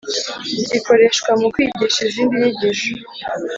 gikoreshwa mu kwigisha izindi nyigisho